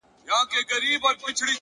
علم د انسان هویت بشپړوي,